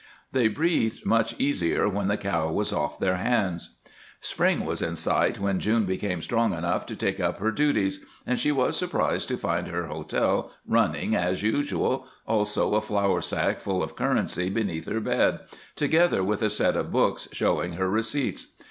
They breathed much easier when the cow was off their hands. Spring was in sight when June became strong enough to take up her duties, and she was surprised to find her hotel running as usual, also a flour sack full of currency beneath her bed, together with a set of books showing her receipts.